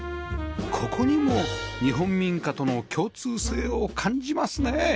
ここにも日本民家との共通性を感じますね